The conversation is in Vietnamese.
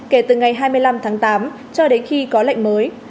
kể từ ngày hai mươi năm tháng tám cho đến khi có lệnh mới